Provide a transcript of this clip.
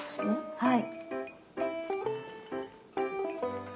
はい。